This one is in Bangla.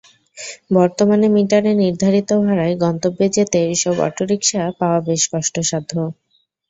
বর্তমানে মিটারে নির্ধারিত ভাড়ায় গন্তব্যে যেতে এসব অটোরিকশা পাওয়া বেশ কষ্টসাধ্য।